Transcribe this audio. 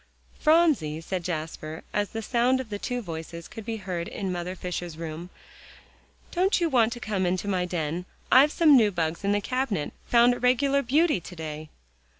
"Phronsie," said Jasper, as the sound of the two voices could be heard in Mother Fisher's room, "don't you want to come into my den? I've some new bugs in the cabinet found a regular beauty to day."